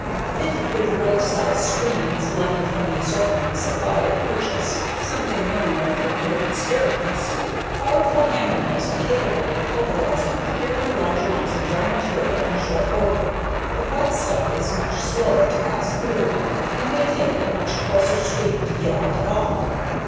Fitted with the right size screen selected from the assortment supplied at purchase, something learned after a bit of experience, powerful hammermills are capable of pulverizing fairly large amounts of dry material in short order. But wet stuff is much slower to pass through and may take a much coarser screen to get out at all.